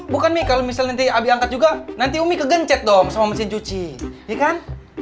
bukan nih kalau misalnya nanti angkat juga nanti umi kegencet dong sama mesin cuci ya kan